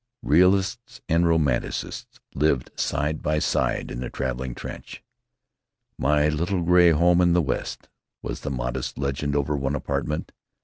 Realists and Romanticists lived side by side in the traveling trench. "My Little Gray Home in the West" was the modest legend over one apartment.